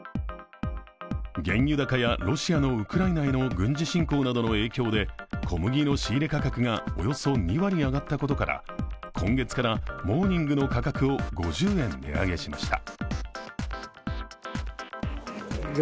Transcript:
原油高やロシアのウクライナへの軍事侵攻などの影響で、小麦の仕入れ価格がおよそ２割上がったことから今月からモーニングの価格を５０円値上げしました。